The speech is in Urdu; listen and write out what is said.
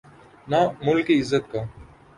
نہ ملک کی عزت کا۔